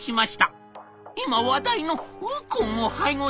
今話題のウコンを配合してます！」。